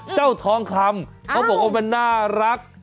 เจ้าทองคลัมครับผมอืมหว่าเป็นน่ารัก